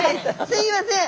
すいません。